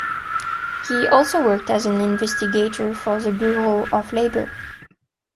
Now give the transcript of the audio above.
He also worked as an investigator for the Bureau of Labor.